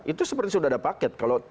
itu seperti sudah ada paket